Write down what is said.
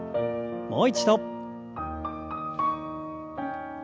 もう一度。